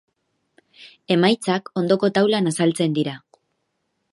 Emaitzak ondoko taulan azaltzen dira.